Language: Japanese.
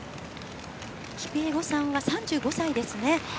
キピエゴさんは３５歳ですね。